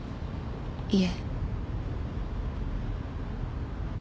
いえ。